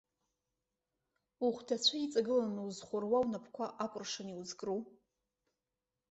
Ухәдацәа иҵагыланы узхәыруа унапқәа акәыршан иузкру?